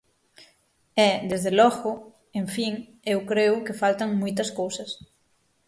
E, desde logo, en fin, eu creo que faltan moitas cousas.